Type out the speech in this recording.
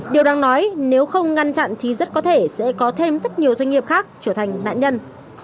điều đáng nói nếu không ngăn chặn thì rất có thể sẽ có thêm rất nhiều doanh nghiệp khác trở thành nạn nhân